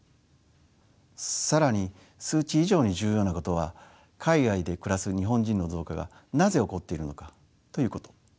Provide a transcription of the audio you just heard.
更に数値以上に重要なことは海外で暮らす日本人の増加がなぜ起こっているのかということ。